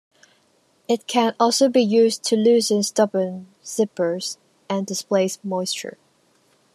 It can also be used to loosen stubborn zippers and displace moisture.